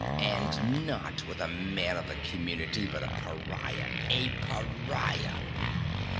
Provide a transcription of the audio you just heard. "And not with a man of the community, but a pariah! _A pariah!